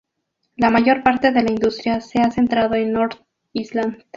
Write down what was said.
La mayor parte de la industria se ha centrado en North Island.